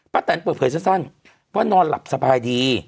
แตนเปิดเผยสั้นว่านอนหลับสบายดี